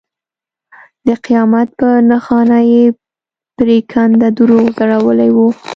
د قیامت په نښانه یې پرېکنده دروغ ځړولي وو.